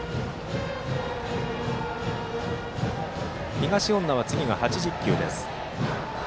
東恩納は次が８０球です。